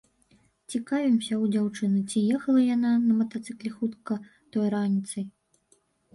Цікавімся ў дзяўчыны, ці ехала яна на матацыкле хутка той раніцай.